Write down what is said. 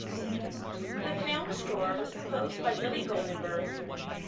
The film score was composed by Billy Goldenberg.